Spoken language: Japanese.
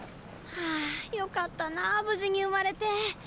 あーよかったな無事に生まれて。